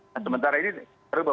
nah sementara ini baru baru berubah